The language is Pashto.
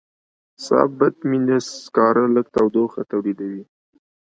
سب بټومینس سکاره لږ تودوخه تولیدوي.